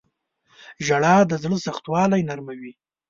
• ژړا د زړه سختوالی نرموي.